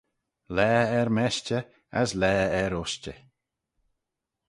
Laa er-meshtey as laa er ushtey